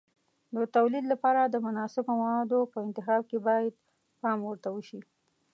د تولید لپاره د مناسبو موادو په انتخاب کې باید پام ورته وشي.